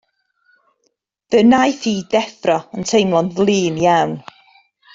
Fe wnaeth hi ddeffro yn teimlo'n flin iawn.